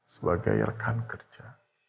sebagai rekan kerja